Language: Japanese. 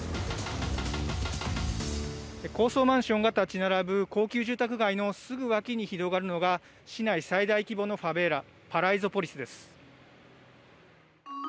高層マンションが建ち並ぶ高級住宅街のすぐ脇に広がるのが市内最大規模のファベーラパライゾポリスです。